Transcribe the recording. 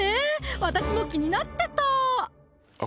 私も気になってたあっ